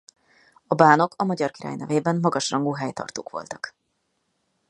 A bánok a magyar király nevében magas rangú helytartók voltak.